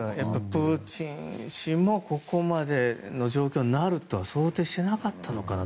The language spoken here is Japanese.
プーチン氏もここまでの状況になるとは想定してなかったのかな。